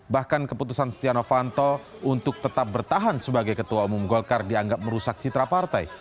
bahkan keputusan stiano fanto untuk tetap bertahan sebagai ketua umum golkar dianggap merusak citra partai